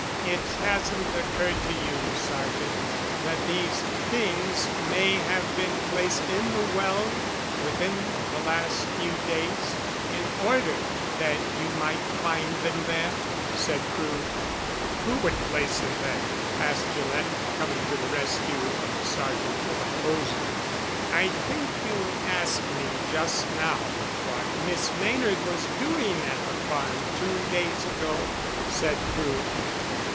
"It hasn't occurred to you, sergeant, that these things may have been placed in the well within the last few days in order that you might find them there?" said Crewe. "Who would place them there?" asked Gillett coming to the rescue of the sergeant with a poser. "I think you asked me just now what Miss Maynard was doing at the farm two days ago," said Crewe.